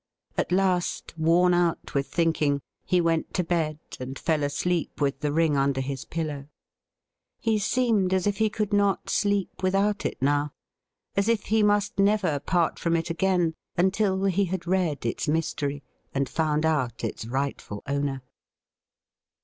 At last, worn out with thinking, he went to bed, and fell asleep with the ring under his pillow. He seemed as if he could not sleep without it now — as if he must never part from it again until he had read its mystery, and found out its rightful owner.